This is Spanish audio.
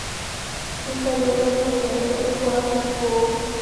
Ensayo: "La doma de un llanero: Juan Nepomuceno Moreno, de Casanare"